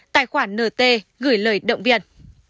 tài khoản nt gửi lời động viên